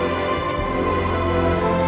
jangan terserah sama humans